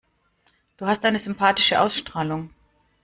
Du hast eine sympathische Ausstrahlung.